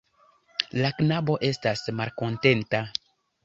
La knabo estas malkontenta.